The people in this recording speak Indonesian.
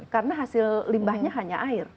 karena hasil limbahnya hanya air